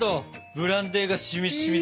ブランデーがしみしみだ。